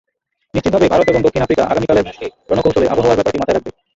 নিশ্চিতভাবেই ভারত এবং দক্ষিণ আফ্রিকা আগামীকালের ম্যাচটির রণকৌশলে আবহাওয়ার ব্যাপারটি মাথায় রাখবে।